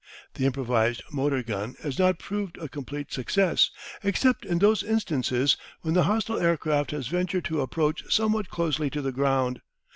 The improvised motor gun has not proved a complete success, except in those instances when the hostile aircraft has ventured to approach somewhat closely to the ground.